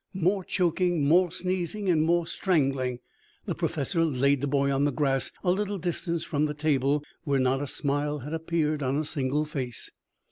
More choking, more sneezing and more strangling. The Professor laid the boy on the grass a little distance from the table, where not a smile had appeared on a single face.